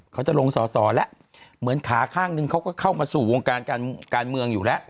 เขาจะลงสอสอแล้วเหมือนขาข้างนึงเขาก็เข้ามาสู่วงการการเมืองอยู่แล้ว